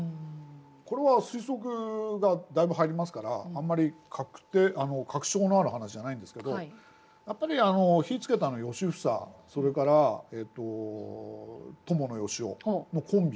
これは推測がだいぶ入りますからあんまり確定確証のある話じゃないんですけどやっぱり火をつけたのは良房それから伴善男のコンビ。